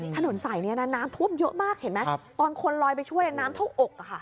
ถนนสายนี้นะน้ำท่วมเยอะมากเห็นไหมตอนคนลอยไปช่วยน้ำเท่าอก